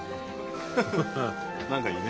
何かいいね。